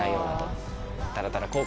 ただただ。